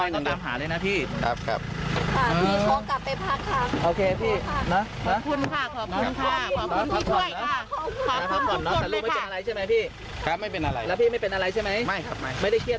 นอนโรงเร็มกลับพาลูกนอนอย่างเดียว